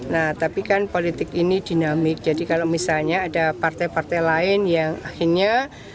nah tapi kan politik ini dinamik jadi kalau misalnya ada partai partai lain yang akhirnya